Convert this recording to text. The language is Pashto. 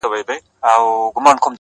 كه خپلوې مي نو در خپل مي كړه زړكيه زما.